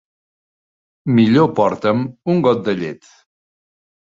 Millor porta'm un got de llet.